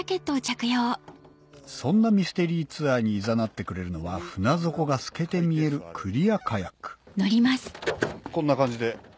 そんなミステリーツアーにいざなってくれるのは舟底が透けて見えるクリアカヤックこんな感じで。